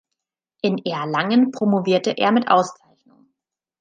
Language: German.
In Erlangen promovierte er mit Auszeichnung.